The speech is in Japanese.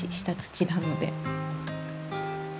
下土なので。